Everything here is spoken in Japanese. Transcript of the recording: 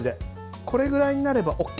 これぐらいになればＯＫ。